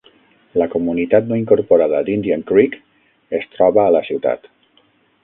La comunitat no incorporada d'Indian Creek es troba a la ciutat.